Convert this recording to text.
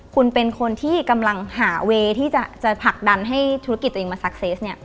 คุณเป็นคนที่กำลังหาเวย์ที่จะผลักดันให้ธุรกิจตัวเองมาซักเซสเนี่ย